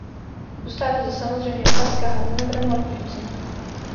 Zůstává zde samozřejmě otázka harmonogramu a financování.